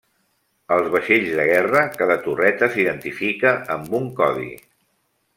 Als vaixells de guerra cada torreta s'identifica amb un codi.